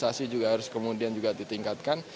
investasi juga harus kemudian juga ditingkatkan